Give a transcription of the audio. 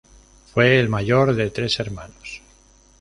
Fue el mayor de tres hermanos.